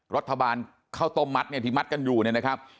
ข้าวต้มมัดเนี่ยที่มัดกันอยู่เนี่ยนะครับ